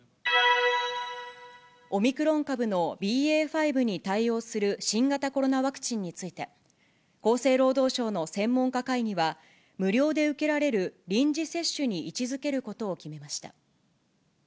オミクロン株のＢＡ．５に対応する新型コロナワクチンについて、厚生労働省の専門家会議は、無料で受けられる臨時接種に位置づけることを決めました。